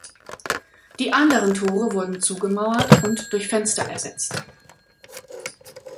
Die anderen Tore wurden zugemauert und durch Fenster ersetzt.